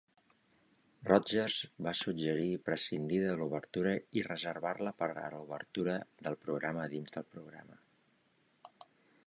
Rodgers va suggerir prescindir de l'obertura i reservar-la per a l'obertura del programa dins del programa.